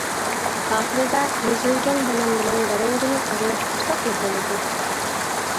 ئاخىرىدا ئېزىلگەن بانان بىلەن بەرەڭگىنى ئارىلاشتۇرساقلا بولىدۇ.